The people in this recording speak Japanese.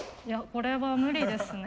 これは無理ですね。